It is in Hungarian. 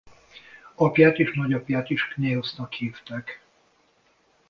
Apját és nagyapját is Cnaeusnak hívták.